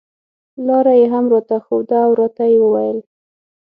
لاره یې هم راښوده او راته یې وویل.